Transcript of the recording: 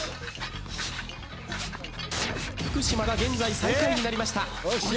福島が現在最下位になりました。